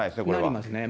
なりますね。